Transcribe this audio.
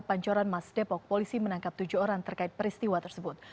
pancoran mas depok polisi menangkap tujuh orang terkait peristiwa tersebut